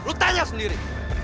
lo tanya sendiri